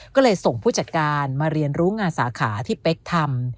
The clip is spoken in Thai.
ก็เลยส่งผู้จัดการมาเรียนรู้งานสาขาที่เป๊กทำ